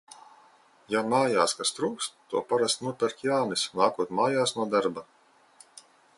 Ja mājās kas trūkst, to parasti nopērk Jānis, nākot mājās no darba.